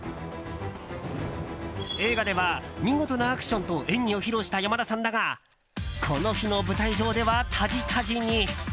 映画では見事なアクションと演技を披露した山田さんだがこの日の舞台上では、たじたじに。